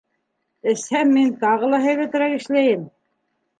Эсһәм, мин тағы ла һәйбәтерәк эшләйем!